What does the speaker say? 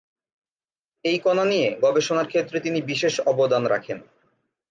এই কণা নিয়ে গবেষণার ক্ষেত্রে তিনি বিশেষ অবদান রাখেন।